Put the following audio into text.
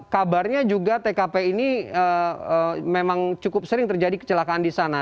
kabarnya juga tkp ini memang cukup sering terjadi kecelakaan di sana